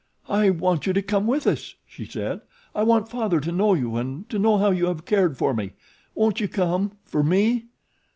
"I want you to come with us," she said. "I want Father to know you and to know how you have cared for me. Won't you come for me?"